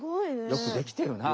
よくできてるな。